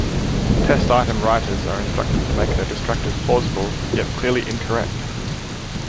Test item writers are instructed to make their distractors plausible yet clearly incorrect.